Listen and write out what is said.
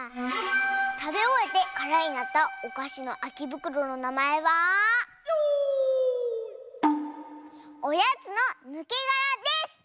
たべおえてからになったおかしのあきぶくろのなまえは「おやつのぬけがら」です！